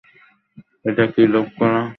এট কি লোড করা?